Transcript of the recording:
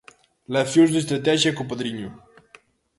Leccións de estratexia co Padriño.